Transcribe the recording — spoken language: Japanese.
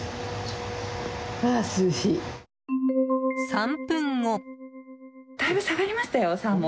３分後。